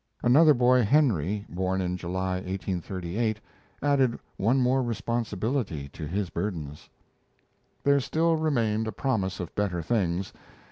Another boy, Henry, born in July, 1838, added one more responsibility to his burdens. There still remained a promise of better things.